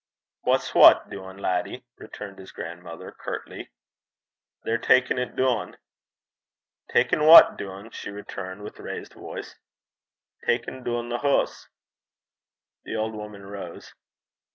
'What's wha duin', laddie?' returned his grandmother, curtly. 'They're takin' 't doon.' 'Takin' what doon?' she returned, with raised voice. 'Takin' doon the hoose.' The old woman rose.